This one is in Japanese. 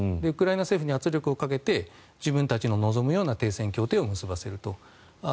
ウクライナ政府に圧力をかけて自分たちの望むような停戦協定を結ばせると。